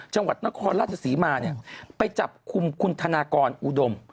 จังหวัดนครรัฐศรีมาไปจับคุมคุณธนากรอุดม